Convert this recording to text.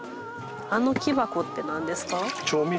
あの木箱って何ですか？